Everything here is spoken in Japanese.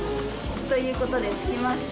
という事で着きました。